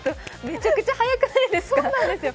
めちゃくちゃ速くないですか？